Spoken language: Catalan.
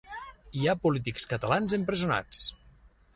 Hi ha polítics catalans empresonats